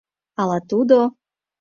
Ала тудо...